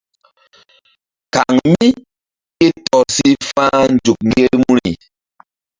Kaŋ mí ke tɔr si fa̧h nzuk ŋgermuri.